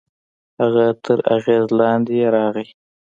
هغه تر اغېز لاندې يې راغی.